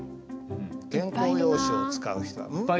原稿用紙を使う人は。